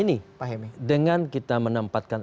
nah ini dengan kita menempatkan